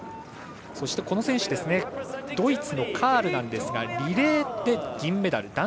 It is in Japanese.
そして、ドイツのカールですがリレーで銀メダル。